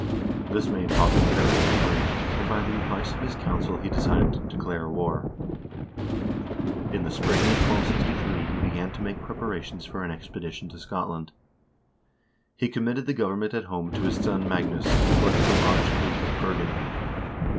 1 This made Haakon very angry, and by the advice of his council he decided to declare war. In the spring of 1263 he began to make preparations for an expedition to Scotland. He committed the government at home to his son Magnus, and collected a large fleet at Bergen.